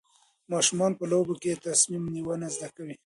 ماشومان په لوبو کې تصمیم نیونه زده کوي.